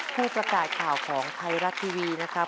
ผู้ประกาศข่าวของไทยรัฐทีวีนะครับ